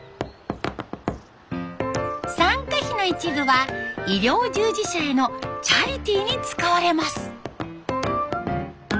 参加費の一部は医療従事者へのチャリティーに使われます。